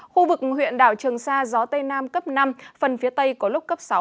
khu vực huyện đảo trường sa gió tây nam cấp năm phần phía tây có lúc cấp sáu